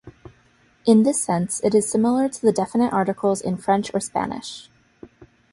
In this sense it is similar to the definite articles in French or Spanish.